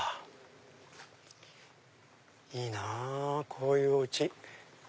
いいなぁこういうおうち。